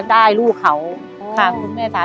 ยังคืออาจจะออกมาที่ไม่ได้